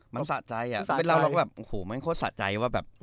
มันสะใจอะไปเล่าแล้วแบบโอ้โหมันโคตรสะใจว่าแบบ